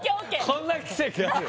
こんな奇跡ある？